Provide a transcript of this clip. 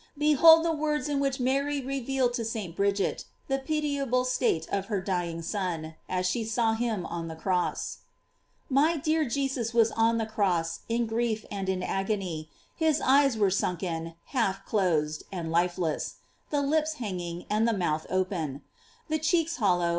Behold the words in which Mary revealed to St. Bridget the pitiable state of her dying Son, as she saw him on the cross: "My dear Jesus was on the cross in grief and in agony; his eyes were sunk en, half closed, and lifeless; the lips hanging, and the mouth open; the cheeks hollow, and Ego non separabar ab eo, et etabam vicinlor cruci ejus.